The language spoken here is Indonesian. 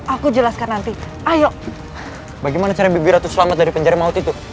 aku jelaskan nanti ayo bagaimana cara bibiratus selamat dari penjara maut itu